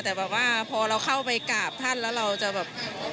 แต่แบบว่าพอเราเข้าไปกราบท่านแล้วเราจะแบบ